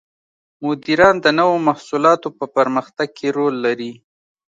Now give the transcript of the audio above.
مدیران د نوو محصولاتو په پرمختګ کې رول لري.